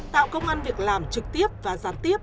tạo công an việc làm trực tiếp và gián tiếp